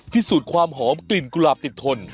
พิสูจน์ความหอมกลิ่นกุหลาบติดทน